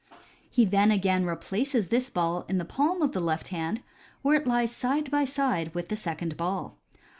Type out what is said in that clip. He then again replaces this ball in the palm of the left hand, where it lies side by side with the second ball.